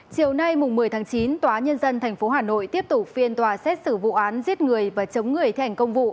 chiều nay một mươi tháng chín tòa nhân dân tp hà nội tiếp tục phiên tòa xét xử vụ án giết người và chống người thi hành công vụ